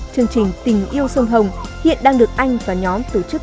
chương trình tình yêu sông hồng hiện đang được anh và nhóm tổ chức